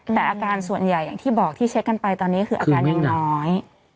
แต่อาการส่วนใหญ่อย่างที่บอกที่เช็คกันไปตอนนี้คืออาการยังน้อย